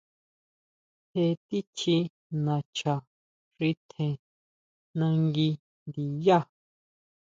Je tichí nacha xi tjen nangui ndiyá.